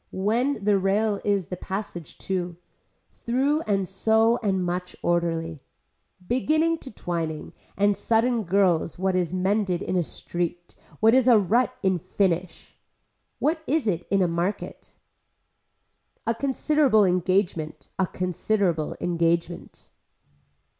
When the rail is the passage to. Through and so and much orderly. Beginning to twining and sudden girls what is mended in a street, what is a rut in finnish. What is it in a market. A considerable engagement, a considerable engagement.